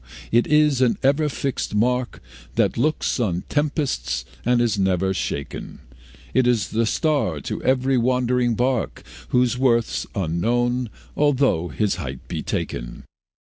it is an ever fixed mark, That looks on tempests and is never shaken; It is the star to every wandering bark, Whose worth's unknown, although his height be taken.